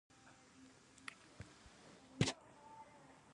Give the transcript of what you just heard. د اوسنۍ انجنیری منشا پنځوس پیړۍ مخکې وختونو ته رسیږي.